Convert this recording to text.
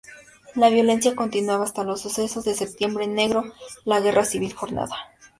La violencia continuaba hasta los sucesos de Septiembre Negro, la guerra civil jordana.